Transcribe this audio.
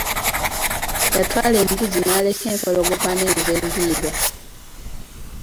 Yatwala embuzi n'aleka empologoma n'enva endiirwa.